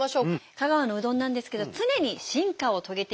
香川のうどんなんですけど常に進化を遂げています。